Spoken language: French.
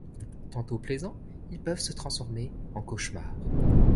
Tantôt plaisants, ils peuvent se transformer en cauchemar.